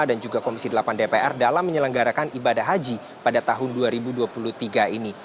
dan juga komisi delapan dpr dalam menyelenggarakan ibadah haji pada tahun dua ribu dua puluh tiga ini